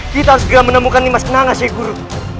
kita harus segera menemukan nimas kenanga sey guru